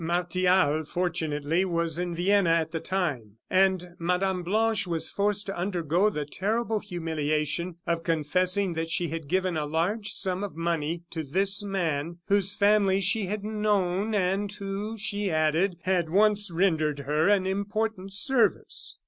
Martial, fortunately, was in Vienna at the time. And Mme. Blanche was forced to undergo the terrible humiliation of confessing that she had given a large sum of money to this man, whose family she had known, and who, she added, had once rendered her an important service.